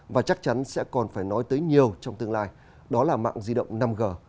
và chắc chắn sẽ còn phải nói tới nhiều trong tương lai đó là mạng di động năm g